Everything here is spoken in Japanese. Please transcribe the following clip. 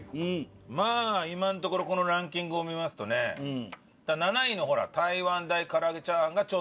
まあ今のところこのランキングを見ますとね７位の台湾大からあげチャーハンがちょっと。